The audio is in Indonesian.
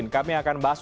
kami akan bahas